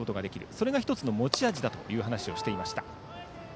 それが１つの持ち味だという話をしていました。